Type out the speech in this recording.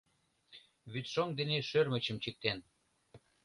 Вӱдшоҥ дене шӧрмычым чиктен